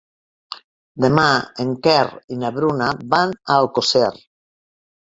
Demà en Quer i na Bruna van a Alcosser.